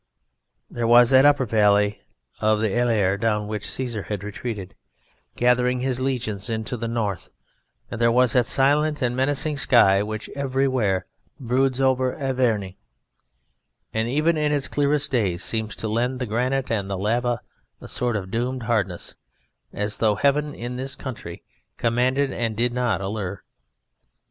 There was that upper valley of the Allier down which Cæsar had retreated, gathering his legions into the North, and there was that silent and menacing sky which everywhere broods over Auvergne, and even in its clearest days seems to lend the granite and the lava land a sort of doomed hardness, as though Heaven in this country commanded and did not allure.